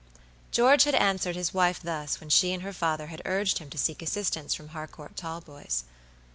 George had answered his wife thus when she and her father had urged him to ask assistance from Harcourt Talboys.